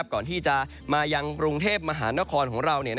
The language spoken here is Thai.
ก่อนที่จะมายังกรุงเทพมหานครของเรา